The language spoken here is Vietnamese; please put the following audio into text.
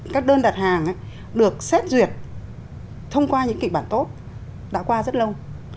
các đơn đặt hàng được xét duyệt thông qua những kịch bản tốt đã qua rất lâu